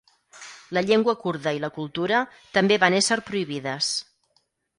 La llengua kurda i la cultura també van ésser prohibides.